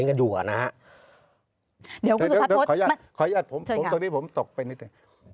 เดี๋ยวคุณสุภัทรพฤษมาเช่นกันครับขออนุญาตตรงนี้ผมตกไปนิดหนึ่ง